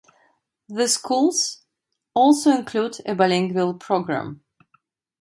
The schools also include a bilingual program.